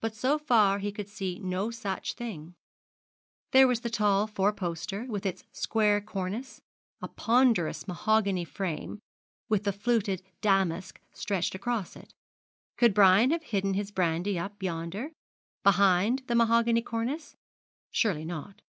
But so far he could see no such thing There was the tall four poster, with its square cornice, a ponderous mahogany frame with fluted damask stretched across it. Could Brian have hidden his brandy up yonder, behind the mahogany cornice? Surely not.